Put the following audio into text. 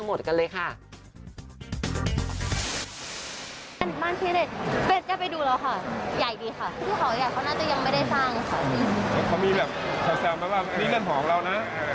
ไม่ได้ปรึกษาแค่ให้ดูเฉย